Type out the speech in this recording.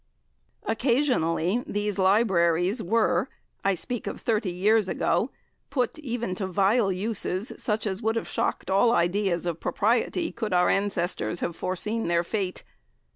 Occasionally these libraries were (I speak of thirty years ago) put even to vile uses, such as would have shocked all ideas of propriety could our ancestors have foreseen their fate.